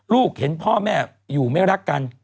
เห็นพ่อแม่อยู่ไม่รักกัน